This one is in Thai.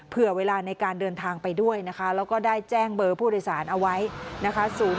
เผื่อเวลาในการเดินทางไปด้วยนะคะแล้วก็ได้แจ้งเบอร์ผู้โดยสารเอาไว้นะคะ